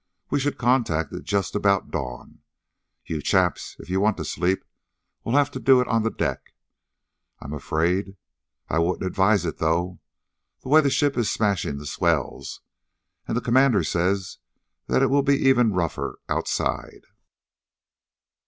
We should contact it just about dawn. You chaps, if you want to sleep, will have to do it on the deck, I'm afraid. I wouldn't advise it, though, the way this ship is smashing the swells. And the commander says that it will be even rougher outside."